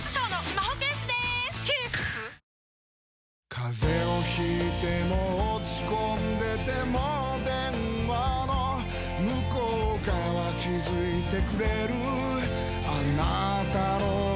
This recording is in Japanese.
風邪を引いても落ち込んでても電話の向こう側気付いてくれるあなたの声